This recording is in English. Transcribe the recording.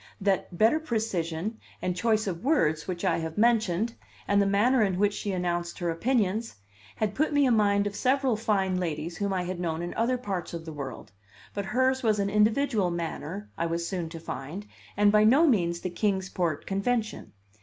That better precision and choice of words which I have mentioned, and the manner in which she announced her opinions, had put me in mind of several fine ladles whom I had known in other parts of the world; but hers was an individual manner, I was soon to find, and by no means the Kings Port convention.